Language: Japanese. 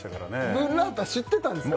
ブッラータ知ってたんですか？